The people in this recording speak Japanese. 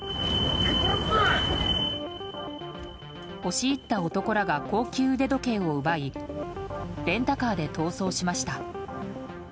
押し入った男らが高級腕時計を奪いレンタカーで逃走しました。